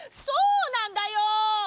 そうなんだよ。